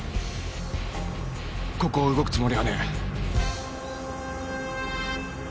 ここを動くつもりはねえ。